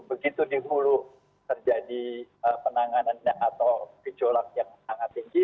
begitu di hulu terjadi penanganan atau gejolak yang sangat tinggi